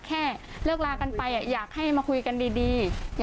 แค่เลิกลากันไปอยากให้มาคุยกันดี